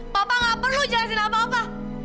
bapak gak perlu jelasin apa apa